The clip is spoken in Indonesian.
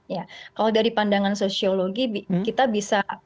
ya kalau dari pandangan sosiologi kita bisa